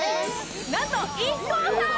なんとＩＫＫＯさん！